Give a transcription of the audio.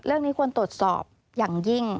เรื่องนี้ควรตรวจสอบอย่างยิ่ง